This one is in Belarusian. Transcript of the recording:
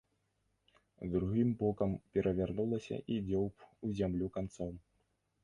Другім бокам перавярнулася і дзёўб у зямлю канцом.